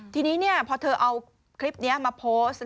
ทีนี้เนี่ยพอเธอเอาคลิปเนี้ยมาโพสต์